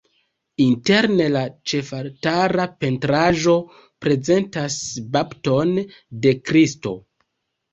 Interne la ĉefaltara pentraĵo prezentas bapton de Kristo.